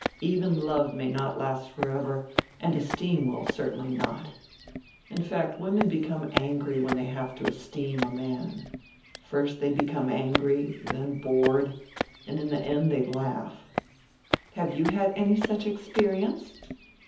Even love may not last forever, and esteem will certainly not. In fact women become angry when they have to esteem a man; first they become angry, then bored, and in tire end they laugh." "Have you had any such experience?"